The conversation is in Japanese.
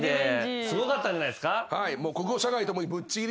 すごかったんじゃないですか？